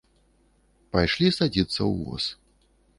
Пайшлі садзіцца ў воз.